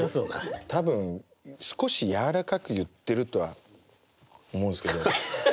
多分少しやわらかく言ってるとは思うんですけど。